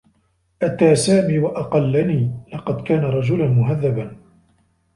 أتى سامي و أقلّني. لقد كان رجلا مهذّبا.